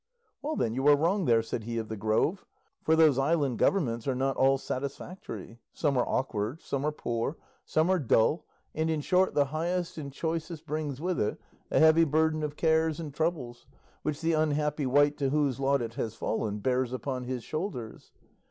"Well, then, you are wrong there," said he of the Grove; "for those island governments are not all satisfactory; some are awkward, some are poor, some are dull, and, in short, the highest and choicest brings with it a heavy burden of cares and troubles which the unhappy wight to whose lot it has fallen bears upon his shoulders.